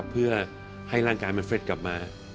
เพื่อให้ร่างกายมันเฟ็ดกลับมา